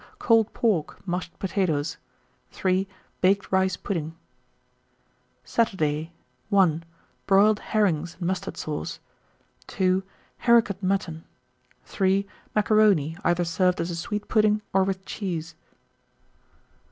Cold pork, mashed potatoes. 3. Baked rice pudding. 1923. Saturday. 1. Broiled herrings and mustard sauce. 2. Haricot mutton. 3. Macaroni, either served as a sweet pudding or with cheese.